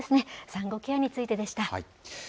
産後ケアについてでした。